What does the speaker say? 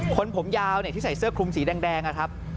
คนผมยาวที่ใส่เสื้อคลุมสีแดงนะครับ